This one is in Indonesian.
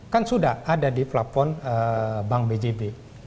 kan sudah ada di platform bank bjb